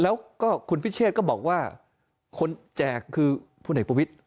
แล้วก็คุณพิเชษก็บอกว่าคนแจกคือพลเอกประวิทธิ